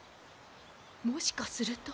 もしかすると。